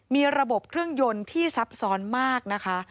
มีระบบเครื่องยนต์ที่ซับซ้อนมากนะคะ